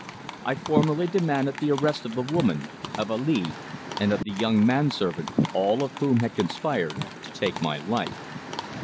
I formally demanded the arrest of the woman, of Ali, and of the young man servant, all of whom had conspired to take my life.